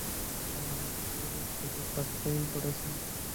ও আমার সঙ্গে শুধু কষ্টই করেছে।